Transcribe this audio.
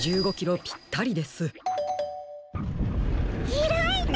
ひらいた！